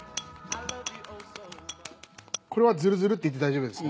これはズルズルっていって大丈夫ですか？